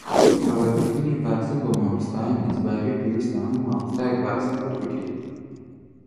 کە وەرگرتنی ڤاکسین بۆ مامۆستایان ئیجبارییە و پێویستە هەموو مامۆستایەک ڤاکسین وەربگرێت